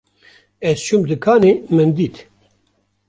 Ez çûm dikanê min dît